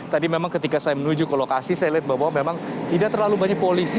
tadi memang ketika saya menuju ke lokasi saya lihat bahwa memang tidak terlalu banyak polisi